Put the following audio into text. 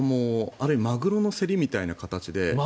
あれマグロの競りみたいな形で。